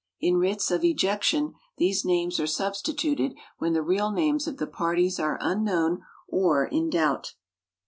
In writs of ejection these names are substituted when the real names of the parties are unknown or in doubt.